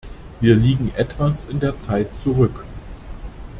Wir liegen etwas in der Zeit zurück.